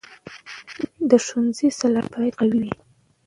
د ښوونځي صلاحیت باید قوي وي.